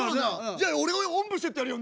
じゃあ俺がおんぶしてってやるよ。